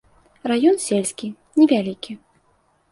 Раён сельскі, не вялікі.